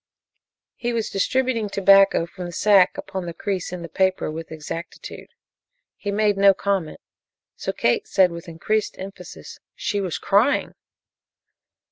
He was distributing tobacco from the sack upon the crease in the paper with exactitude. He made no comment, so Kate said with increased emphasis: "She was crying!"